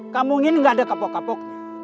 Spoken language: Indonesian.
kamu ingin gak ada kapok kapoknya